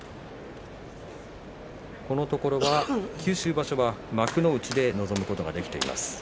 このところ九州場所は幕内で臨むことができています。